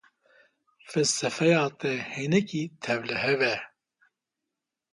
Felsefeya te hinekî tevlihev e.